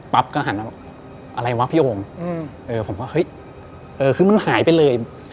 ปั๊บก็หันแล้วอะไรวะพี่โอมผมก็เห้ยคือมึงหายไปเลย